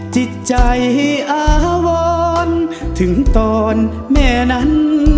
จิตใจอาวรถึงตอนแม่นั้น